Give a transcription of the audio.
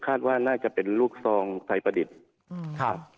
คาดว่าน่าจะเป็นลูกซองไทยประดิษฐ์ครับ